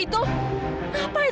itu kemudian mungkin bisa berhenti